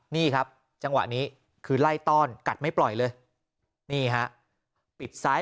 นี่ครับจังหวะนี้คือไล่ต้อนกัดไม่ปล่อยเลยนี่ฮะปิดซ้าย